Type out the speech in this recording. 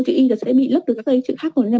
chữ y thì sẽ bị lấp được các cái chữ khác